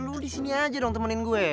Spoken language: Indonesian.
lu di sini aja dong temenin gue